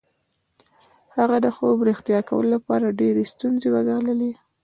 هغه د خوب رښتیا کولو لپاره ډېرې ستونزې وګاللې